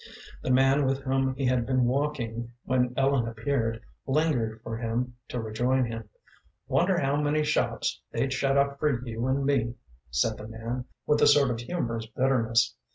The man with whom he had been walking when Ellen appeared lingered for him to rejoin him. "Wonder how many shops they'd shut up for you and me," said the man, with a sort of humorous bitterness.